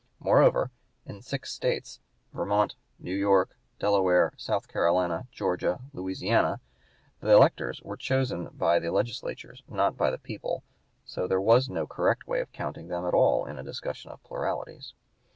Moreover, in six States, viz., Vermont, New York, Delaware, South Carolina, Georgia, Louisiana, the electors were chosen by the legislatures, not by the people; so that there was no correct way of counting them at all in a discussion of pluralities.